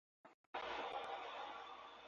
مجھے افسوس ہے میں نہیں کر سکتا۔